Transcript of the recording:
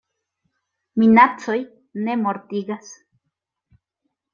Minacoj ne mortigas.